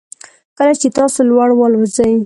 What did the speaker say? کله چې تاسو لوړ والوځئ